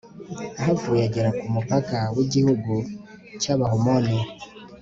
ahavuye agera ku mupaka w'igihugu cy'abahamoni